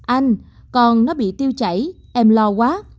anh con nó bị tiêu chảy em lo quá